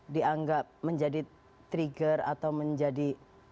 dianggap menjadi trigger atau menjadi